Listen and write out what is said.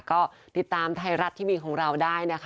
ก็ติดตามไทยรัฐทีวีของเราได้นะคะ